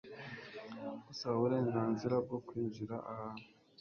Gusaba uburenganzira bwo kwinjira ahantu,